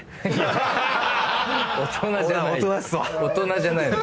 大人じゃないよ。